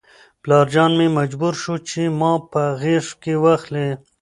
پلارجان مې مجبور شو چې ما په غېږ کې واخلي.